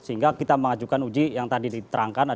sehingga kita mengajukan uji yang tadi diterangkan